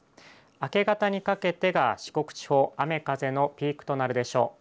明け方にかけて四国地方雨、風のピークとなるでしょう。